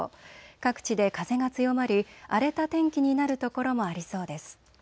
各地で風が強まり荒れた天気になる所もありそうです。